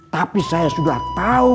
tapi saya sudah tahu